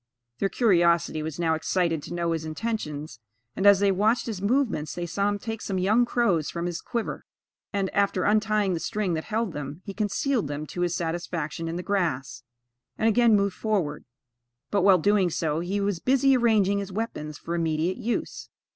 Their curiosity was now excited to know his intentions; and, as they watched his movements, they saw him take some young crows from his quiver, and, after untying the string that held them, he concealed them to his satisfaction in the grass, and again moved forward; but, while doing so, he was busy arranging his weapons for immediate use.